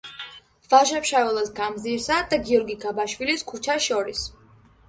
ვაჟა-ფშაველას გამზირსა და გიორგი გაბაშვილის ქუჩას შორის.